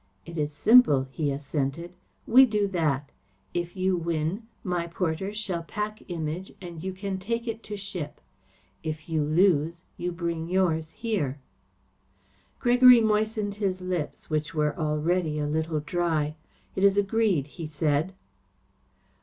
"It is simple," he assented. "We do that. If you win, my porters shall pack Image and you can take it to ship. If you lose you bring yours here." Gregory moistened his lips which were already a little dry. "It is agreed," he said.